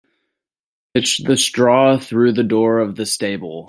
Pitch the straw through the door of the stable.